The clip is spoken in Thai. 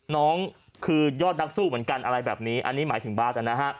น้องคือยอดนักสู้เหมือนกันอะไรแบบนี้อันนี้หมายถึงบาทนะฮะ